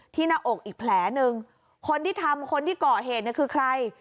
หน้าอกอีกแผลหนึ่งคนที่ทำคนที่ก่อเหตุเนี่ยคือใคร